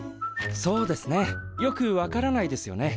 そうですねよく分からないですよね。